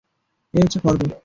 এই হচ্ছে ফর্দ।